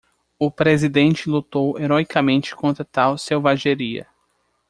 O presidente lutou heroicamente contra tal selvageria.